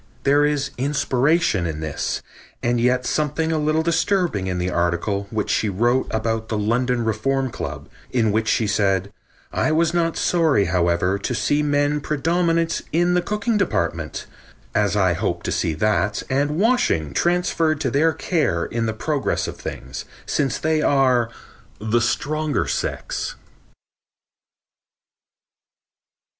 There is inspiration in this, and yet something a little disturbing in the article which she wrote about the London Reform Club, in which she said: "I was not sorry, however, to see men predominant in the cooking department, as I hope to see that and washing transferred to their care in the progress of things, since they are 'the stronger sex.'"